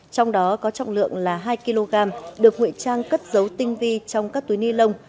trong đó có trọng lượng là hai kg được nguyễn trang cất dấu tinh vi trong các túi ni lông